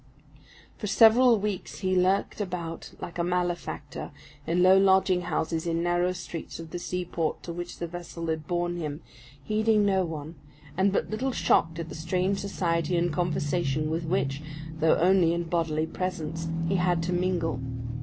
For several weeks he lurked about like a malefactor, in low lodging houses in narrow streets of the seaport to which the vessel had borne him, heeding no one, and but little shocked at the strange society and conversation with which, though only in bodily presence, he had to mingle.